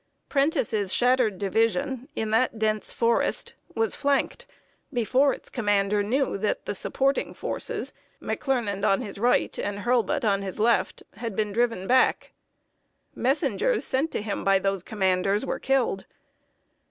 Prentiss' shattered division, in that dense forest, was flanked before its commander knew that the supporting forces McClernand on his right and Hurlbut on his left had been driven back. Messengers sent to him by those commanders were killed.